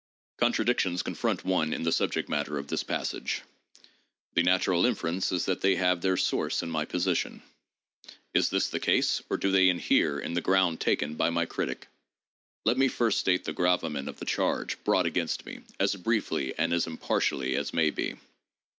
Contradictions confront one in the subject matter of this passage— the natural inference is that they have their source in my position. Is this the case, or do they inhere in the ground taken by my critic ? Let me first state the gravamen of the charge brought against me, as briefly and as impartially as may be.